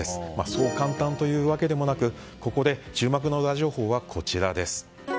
そう簡単というわけでもなくここで注目のウラ情報はこちら。